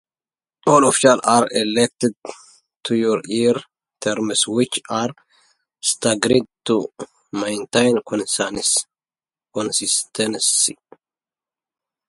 All officials are elected to four-year terms which are staggered to maintain consistency.